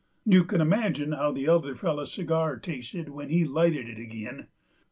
You kin imagine how that other feller's cigar tasted when he lighted it ag'in.